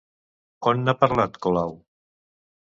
On n'ha parlat, Colau?